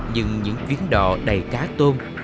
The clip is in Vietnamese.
nhưng những chuyến đo đầy cá tôm